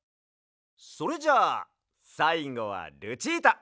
それじゃあさいごはルチータ！